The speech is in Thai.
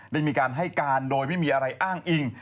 ได้มีการให้การโดยไม่มีอะไรอ้างอิง